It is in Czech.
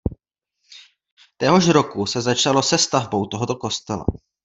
Téhož roku se začalo se stavbou tohoto kostela.